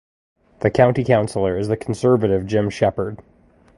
The county councilor is the Conservative Jim Sheppard.